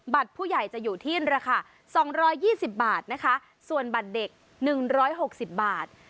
ผู้ใหญ่จะอยู่ที่ราคา๒๒๐บาทนะคะส่วนบัตรเด็ก๑๖๐บาท